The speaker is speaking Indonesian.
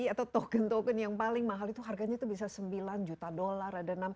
atau token token yang paling mahal itu harganya itu bisa sembilan juta dolar